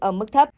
ở mức thấp